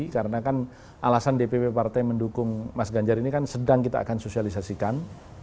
karena kan alasan dpp partai mendukung mas ganjar ini kan sedang kita akan sosialisasikan